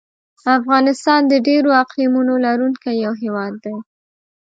افغانستان د ډېرو اقلیمونو لرونکی یو هېواد دی.